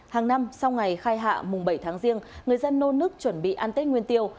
hàng năm sau ngày khai hạ mùng bảy tháng riêng người dân nôn nước chuẩn bị ăn tết nguyên tiêu